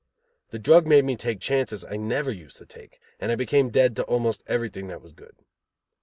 The drug made me take chances I never used to take; and I became dead to almost everything that was good.